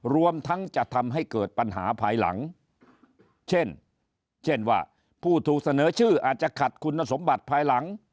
รวมทั้งจะทำให้เกิดปัญหาภายหลังเช่นเช่นว่าผู้ถูกเสนอชื่ออาจจะขัดคุณสมบัติภายหลัง